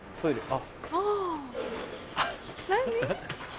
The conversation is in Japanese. あっ！